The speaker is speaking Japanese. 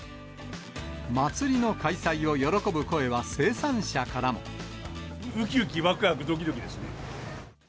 まつりの開催を喜ぶ声は生産うきうき、わくわく、どきどきですね。